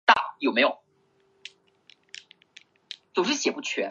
该行为在其他汉语地区有不同的叫法。